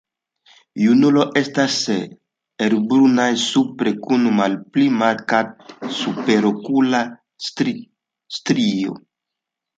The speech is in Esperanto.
Junuloj estas helbrunaj supre kun malpli markata superokula strio.